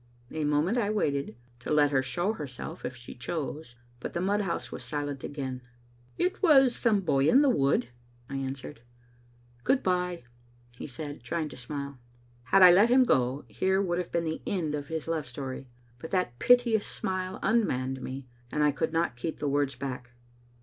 A moment I waited, to let her show herself if she chose. But the mudhouse was silent again. " It was some boy in the wood," I answered. •* Good bye," he said, trying to smile. Had I let him go, here would have been the end of his love story, but that piteous smile unmanned me, and I could not keep the words back.